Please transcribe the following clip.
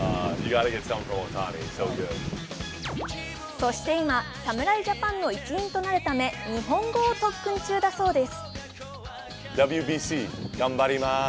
そして今、侍ジャパンの一員となるため日本語を特訓中だそうです。